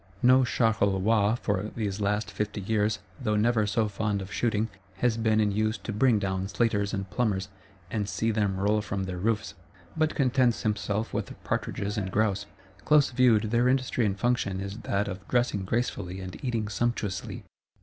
No Charolois, for these last fifty years, though never so fond of shooting, has been in use to bring down slaters and plumbers, and see them roll from their roofs; but contents himself with partridges and grouse. Close viewed, their industry and function is that of dressing gracefully and eating sumptuously.